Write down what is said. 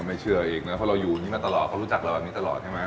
ไม่เชื่ออีกนะเพราะเราอยู่นี่มาตลอดเขารู้จักเราแบบนี้ตลอดใช่ไหม